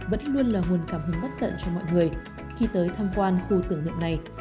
vẫn luôn là nguồn cảm hứng bất tận cho mọi người khi tới tham quan khu tưởng niệm này